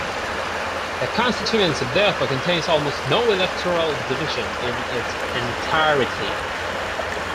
The constituency therefore contains almost no electoral division in its entirety.